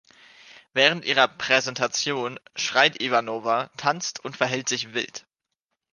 Während ihrer "Präsentation" schreit Ivanova, tanzt, und verhält sich wild.